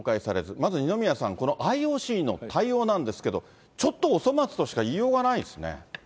まず二宮さん、このＩＯＣの対応なんですけど、ちょっとお粗末としか言いようがないですね。